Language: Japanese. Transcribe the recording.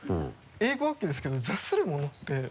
英語はＯＫですけど「座するもの」って。